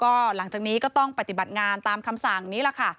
ก็หลังจากนี้ก็ต้องปฏิบัติงานตามคำสั่งนี้ล่ะค่ะ